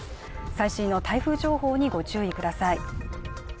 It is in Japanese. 最新の台風情報にご注意ください。